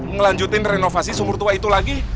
ngelanjutin renovasi sumur tua itu lagi